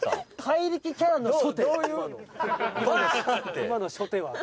「今の初手は」